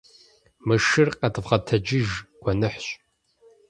Мы шыр къэдвгъэгъэтэджыж, гуэныхьщ.